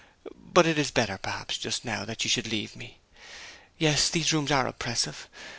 But it is better, perhaps, just now, that you should leave me. Yes, these rooms are oppressive.